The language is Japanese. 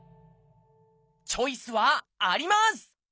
チョイスはあります！